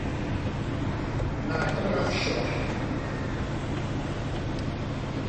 Nɛeṭṭel ɣef ccḍeḥ.